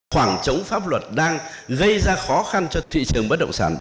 khoảng trống pháp luật đang gây ra khó khăn cho thị trường bất động sản